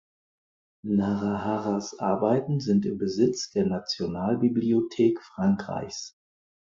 Naraharas Arbeiten sind im Besitz der Nationalbibliothek Frankreichs.